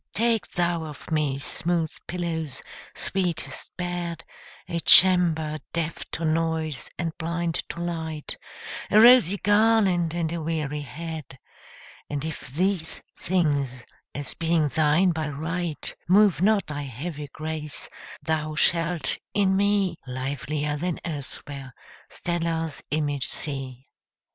Take thou of me smooth pillows, sweetest bed,A chamber deaf to noise and blind to light,A rosy garland and a weary head:And if these things, as being thine by right, Move not thy heavy grace, thou shalt in me, Livelier than elsewhere, Stella's image see.